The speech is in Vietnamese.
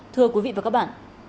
thưa quý vị và các bạn